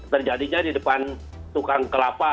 terjadinya di depan tukang kelapa